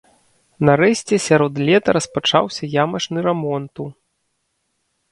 Нарэшце сярод лета распачаўся ямачны рамонту.